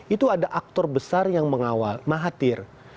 itu ada aktor besar yang mengawal mahathir